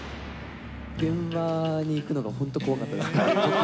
現場に行くのが本当に怖かったです。